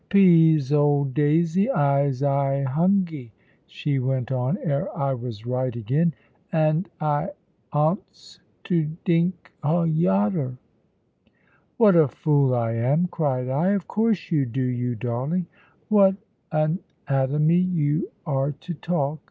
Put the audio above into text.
"Pease, old Davy, I'se aye hungy," she went on ere I was right again, "and I 'ants a dink o' yater." "What a fool I am!" cried I. "Of course you do, you darling. What an atomy you are to talk!